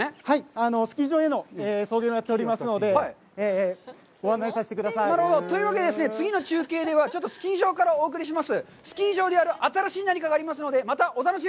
スキー場への送迎もありますので、ご案内させてください。というわけで、次の中継では、ちょっとスキー場からお送りします。